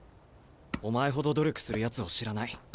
お前ほど努力するやつを知らない。